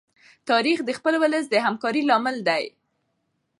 تاریخ د خپل ولس د همکارۍ لامل دی.